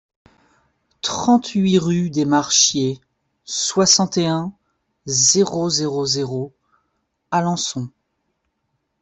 trente-huit rue des Marcheries, soixante et un, zéro zéro zéro, Alençon